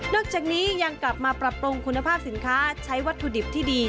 จากนี้ยังกลับมาปรับปรุงคุณภาพสินค้าใช้วัตถุดิบที่ดี